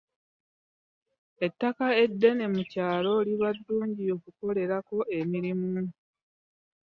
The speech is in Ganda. Ettaka eddene mu kyalo liba ddungi okukolerako emirimu.